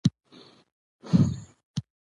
شېخ اسماعیل د خپل اکا سړبن په کور کښي لوی سوی دئ.